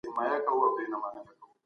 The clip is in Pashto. ډینامیک نظرونه د بدلون لاره پرانیزي.